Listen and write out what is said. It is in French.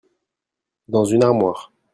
Dans une armoire.